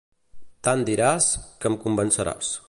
Tant diràs, que em convenceràs.